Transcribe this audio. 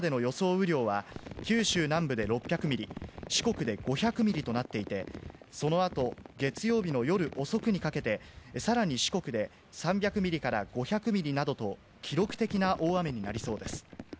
雨量は、九州南部で６００ミリ、四国で５００ミリとなっていて、そのあと月曜日の夜遅くにかけて、さらに四国で３００ミリから５００ミリなどと、記録的な大雨になりそうです。